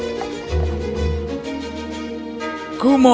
kumohon kesatria pemberani ikutlah ke kemahku